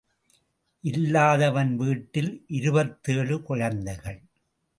இல்லாதவன் வீட்டில் இருபத்தேழு குழந்தைகள்.